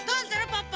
ポッポ。